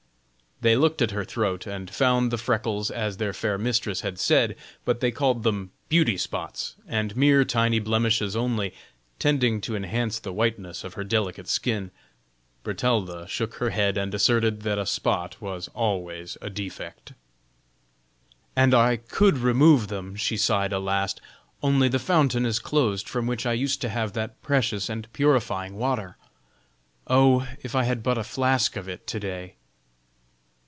They looked at her throat, and found the freckles as their fair mistress had said, but they called them beauty spots, and mere tiny blemishes only, tending to enhance the whiteness of her delicate skin. Bertalda shook her head and asserted that a spot was always a defect. "And I could remove them," she sighed a last, "only the fountain is closed from which I used to have that precious and purifying water. Oh! if I had but a flask of it to day!"